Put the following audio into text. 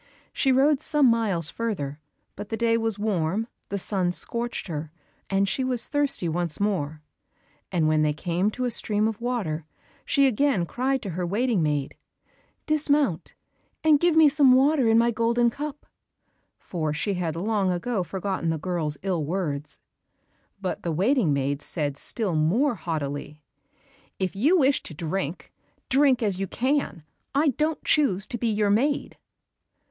She rode some miles further, but the day was warm, the sun scorched her, and she was thirsty once more, and when they came to a stream of water, she again cried to her waiting maid, "Dismount, and give me some water in my golden cup," for she had long ago forgotten the girl's ill words. But the waiting maid said still more haughtily, "If you wish to drink, drink as you can, I don't choose to be your maid."